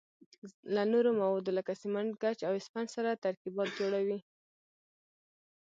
له نورو موادو لکه سمنټ، ګچ او اسفنج سره ترکیبات جوړوي.